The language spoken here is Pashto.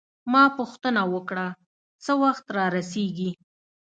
ما پوښتنه وکړه: څه وخت رارسیږي؟